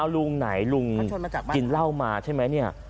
ลุงไหนลุงกินเหล้ามาใช่ไหมเนี่ย